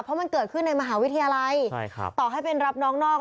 เพราะมันเกิดขึ้นในมหาวิทยาลัยใช่ครับต่อให้เป็นรับน้องนอก